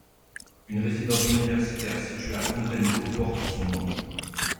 Une résidence universitaire située à Fontainebleau porte son nom.